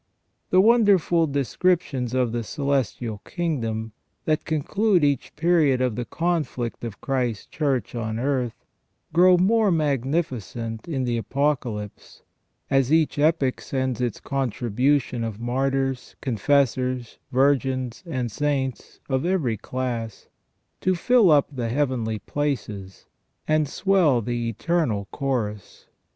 The wonderful descriptions of the celestial kingdom, that conclude each period of the conflict of Christ's Church on earth, grow more magnificent in the Apocalypse, as each epoch sends its contribution of martyrs, confessors, virgins, and saints of every class, to fill up the heavenly places, and swell the eternal chorus.